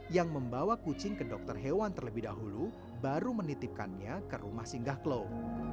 yang membawa kucing ke dokter hewan terlebih dahulu baru menitipkannya ke rumah singgah klau